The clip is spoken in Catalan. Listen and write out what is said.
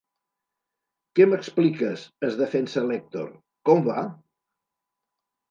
Què m'expliques? —es defensa l'Èctor— Com va?